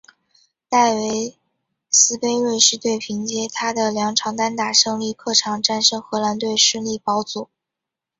戴维斯杯瑞士队凭藉他的两场单打胜利客场战胜荷兰队顺利保组。